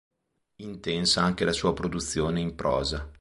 Intensa anche la sua produzione in prosa.